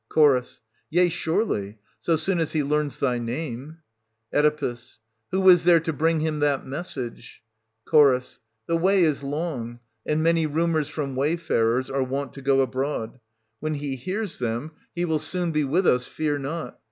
'* 300 Ch. Yea, surely, so soon as he learns thy name. Oe. Who IS there to bring him that message ? Ch. The way is long, and many rumours from wayfarers are wont to go abroad ; when he hears them. 72 SOPHOCLES. [305 329 he will soon be with us, fear not.